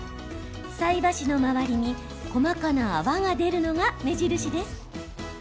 菜箸の周りに細かな泡が出るのが目印です。